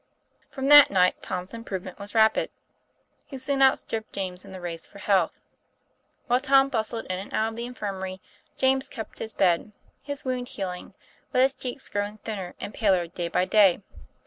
From that night Tom's improvement was rapid. He soon outstripped James in the race for health. While Tom bustled in and out of the infirmary, James kept his bed, his wound healing, but his cheeks growing thinner and paler day by day.